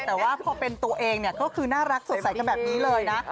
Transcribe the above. แต่ว่าพอเป็นตัวเองเนี่ยก็คือน่ารักสดใสกันแบบนี้เลยนะ